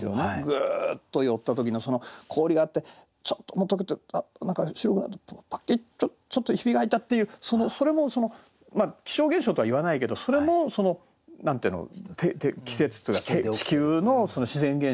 ぐっと寄った時のその氷があってちょっともう解けてるあっ何か白くなってパキッちょっとひびが入ったっていうそのそれも気象現象とはいわないけどそれもその何て言うの季節というか地球の自然現象なんで。